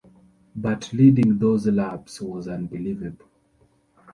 But leading those laps was unbelievable.